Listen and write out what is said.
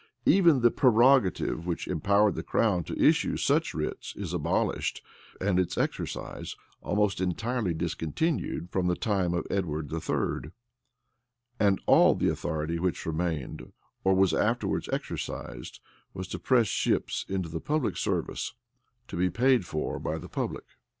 Even the prerogative which empowered the crown to issue such writs is abolished, and its exercise almost entirely discontinued from the time of Edward III.;[*] and all the authority which remained, or was afterwards exercised, was to press ships into the public service, to be paid for by the public. * State Trials, vol.